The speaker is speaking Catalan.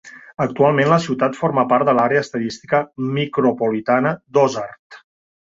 Actualment, la ciutat forma part de l'àrea estadística micropolitana d'Ozark.